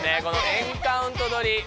このエンカウントどり。